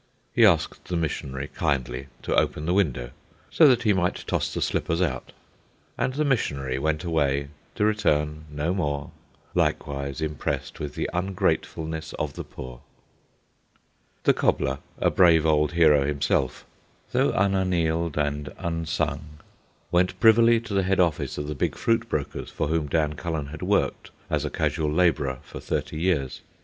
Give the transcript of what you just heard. He asked the missionary kindly to open the window, so that he might toss the slippers out. And the missionary went away, to return no more, likewise impressed with the ungratefulness of the poor. The cobbler, a brave old hero himself, though unannaled and unsung, went privily to the head office of the big fruit brokers for whom Dan Cullen had worked as a casual labourer for thirty years.